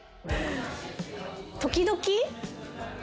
時々。